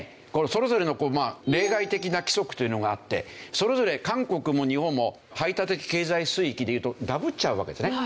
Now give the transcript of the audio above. それぞれの例外的な規則というのがあってそれぞれ韓国も日本も排他的経済水域でいうとダブっちゃうわけですね。